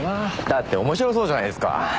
だって面白そうじゃないですか。